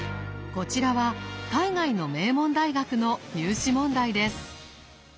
こちらは海外の名門大学の入試問題です。